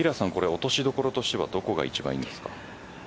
落としどころとしてはどこが一番いいんですか。